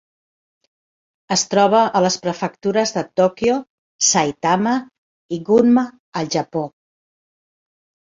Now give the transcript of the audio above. Es troba a les prefectures de Tòquio, Saitama i Gunma al Japó.